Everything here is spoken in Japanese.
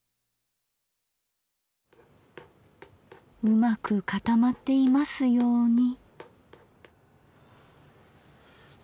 うまく固まっていますように。